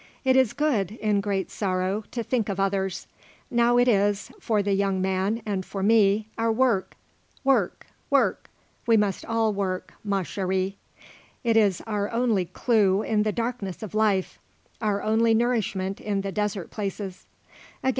It is good, in great sorrow, to think of others. Now it is, for the young man and for me, our work. Work, work; we must all work, ma chérie. It is our only clue in the darkness of life; our only nourishment in the desert places."